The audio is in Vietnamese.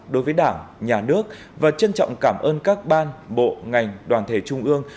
đối với đảng nhà nước và trân trọng cảm ơn các ban bộ ngành đoàn thể trung ương